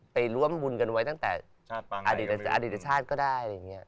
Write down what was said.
ไปร่วมบุญกันไว้ตั้งแต่อดีตชาติก็ได้